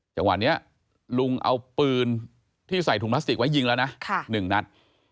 จังหวะนี้ลุงเอาปืนที่ใส่ถุงพลาสติกไว้ยิงแล้วนะ๑นัด